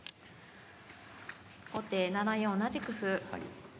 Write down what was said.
後手７四同じく歩。